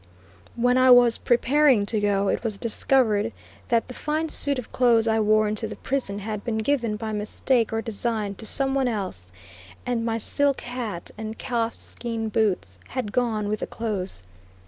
When I was preparing to go, it was discovered that the fine suit of clothes I wore into the prison had been given by mistake or design to some one else, and my silk hat and calf skin boots had gone with the clothes.